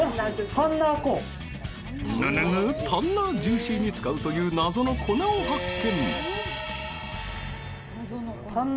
タンナージューシーに使うという謎の粉を発見！